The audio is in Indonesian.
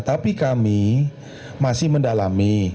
tapi kami masih mendalami